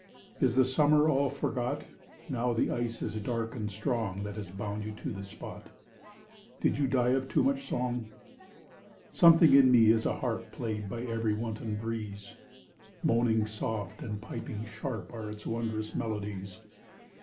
Is the summer all forgot? Now the ice is dark and strong That has bound you to the spot Did you die of too much song? Something in me is a harp Played by every wanton breeze. Moaning soft and piping sharp Are its wondrous melodies.